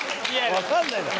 わかんないだろ。